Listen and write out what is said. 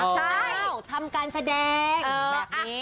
ใช่ทำการแสดงแบบนี้